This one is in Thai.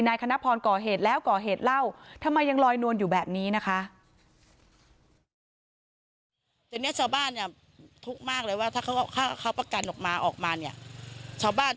คณะพรก่อเหตุแล้วก่อเหตุเหล้าทำไมยังลอยนวลอยู่แบบนี้นะคะ